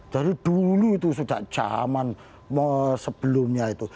dari dulu itu sejak zaman sebelumnya itu